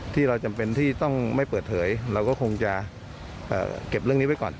ที่เราจำเป็นที่ต้องไม่เปิดเผยเราก็คงจะเก็บเรื่องนี้ไว้ก่อน